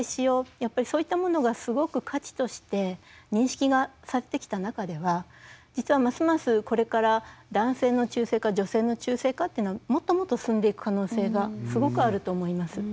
やっぱりそういったものがすごく価値として認識がされてきた中では実はますますこれから男性の中性化女性の中性化というのはもっともっと進んでいく可能性がすごくあると思います。